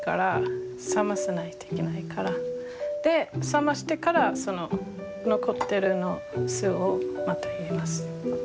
冷ましてから残ってる酢をまた入れます。